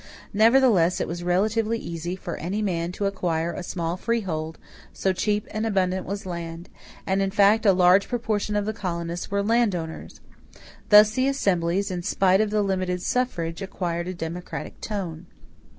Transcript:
Nevertheless, it was relatively easy for any man to acquire a small freehold, so cheap and abundant was land; and in fact a large proportion of the colonists were land owners. Thus the assemblies, in spite of the limited suffrage, acquired a democratic tone.